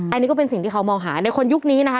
อันนี้ก็เป็นสิ่งที่เขามองหาในคนยุคนี้นะคะ